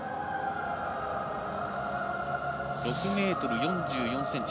６ｍ４４ｃｍ。